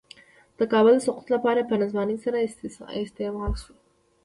د کابل د سقوط لپاره په ناځوانۍ سره استعمال شو.